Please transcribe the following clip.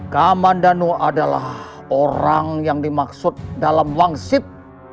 kaman danu adalah orang yang dimaksud dalam wangsit